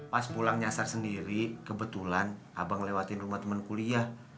pas pulang nyasar sendiri kebetulan abang lewatin rumah temen kuliah